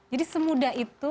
jadi semudah itu